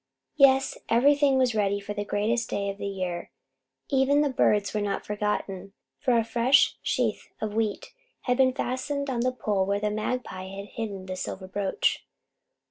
Yes, everything was ready for the greatest day of the year. Even the birds were not forgotten, for a fresh sheaf of wheat had been fastened on the pole where the magpie had hidden the silver brooch.